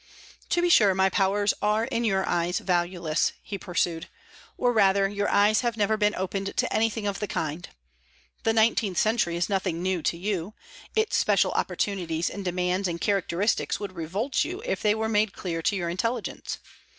"To be sure, my powers are in your eyes valueless," he pursued; "or rather, your eyes have never been opened to anything of the kind. The nineteenth century is nothing to you; its special opportunities and demands and characteristics would revolt you if they were made clear to your intelligence.